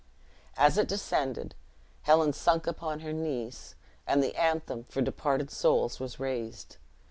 As it descended, Helen sunk upon her knees, and the anthem for departed souls was raised.